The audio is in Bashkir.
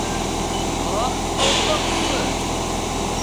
Ах алдаҡсы!..